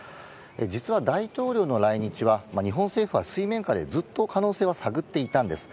実は大統領の来日は、日本政府は水面下でずっと可能性は探っていたんです。